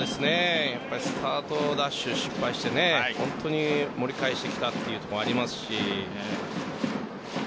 スタートダッシュ失敗して本当に盛り返してきたというところ、ありますし。